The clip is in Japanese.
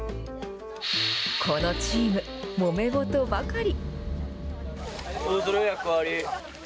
このチーム、もめ事ばかり。